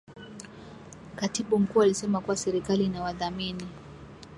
Katibu Mkuu alisema kuwa serikali inawadhamini